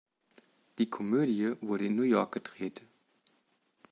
Die Komödie wurde in New York gedreht.